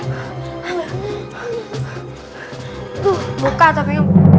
tuh buka tapi